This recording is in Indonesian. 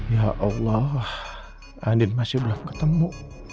ya allah lah andin masih belum ketemu